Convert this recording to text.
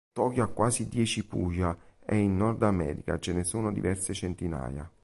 Tokyo ha quasi dieci Puja e in Nord America ce ne sono diverse centinaia.